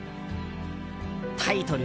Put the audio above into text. タイトル